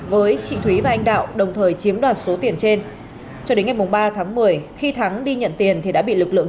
với chị thúy và anh đạo đồng thời chiếm đoạt số tiền trên cho đến ngày ba tháng một mươi khi thắng đi nhận tiền thì đã bị lực lượng